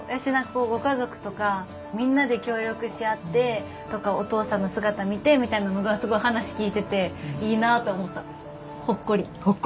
ご家族とかみんなで協力し合ってとかお父さんの姿見てみたいなのがすごい話聞いてていいなと思った。